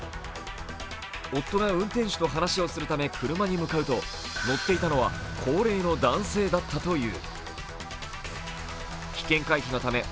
夫が運転手と話しをするため車に向かっていくと、乗っていたのは高齢の男性だったという。